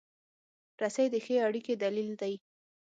رسۍ د ښې اړیکې دلیل دی.